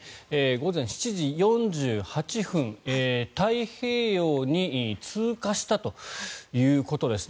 午前７時４８分、太平洋を通過したということです。